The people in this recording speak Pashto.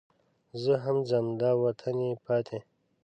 زه هم ځم دا وطن یې پاتې.